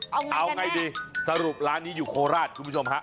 เอาไงดีสรุปร้านนี้อยู่โคราชคุณผู้ชมฮะ